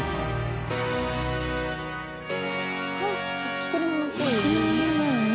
作り物っぽいよね。